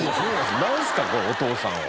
なんすかお父さんを。